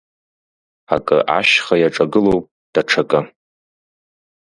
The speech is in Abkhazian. Акы ашьха иаҿагылоуп, даҽакы…